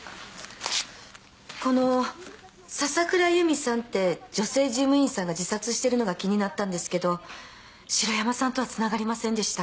この笹倉由美さんって女性事務員さんが自殺してるのが気になったんですけど城山さんとはつながりませんでした。